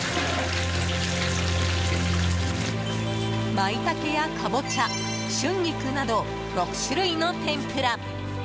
マイタケやカボチャ、春菊など６種類の天ぷら。